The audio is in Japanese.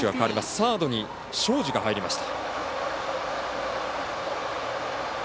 サードに庄司が入りました。